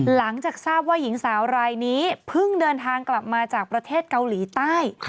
หลังจากทราบว่าหญิงสาวรายนี้เพิ่งเดินทางกลับมาจากประเทศเกาหลีใต้